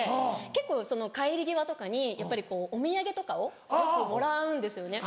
結構その帰り際とかにやっぱりこうお土産とかをよくもらうんですよね。